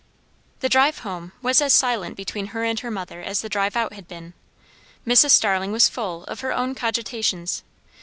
The drive home was as silent between her and her mother as the drive out had been. Mrs. Starling was full of her own cogitations.